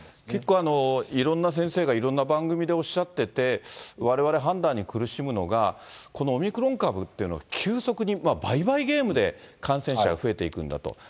結構、いろんな先生がいろんな番組でおっしゃってて、われわれ判断に苦しむのが、このオミクロン株っていうの、急速に、倍々ゲームで感染者が増えていくんだと。